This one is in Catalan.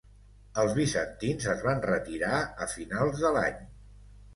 Els bizantins es van retirar a finals de l'any.